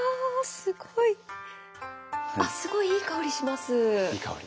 すごいいい香りします！